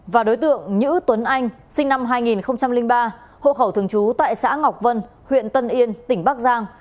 và đối tượng nhữ tuấn anh sinh năm hai nghìn ba hộ khẩu thường trú tại xã ngọc vân huyện tân yên tỉnh bắc giang